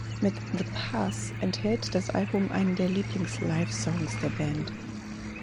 Mit "The Pass" enthält das Album einen der Lieblings-Live-Songs der Band.